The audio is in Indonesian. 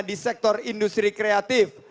di sektor industri kreatif